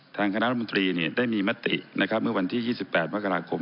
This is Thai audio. ทางคณะรับมนตรีนี่ได้มีมตินะครับเมื่อวันที่ยี่สิบแปดเมื่อกลางกลม